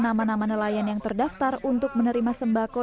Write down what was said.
nama nama nelayan yang terdaftar untuk menerima sembako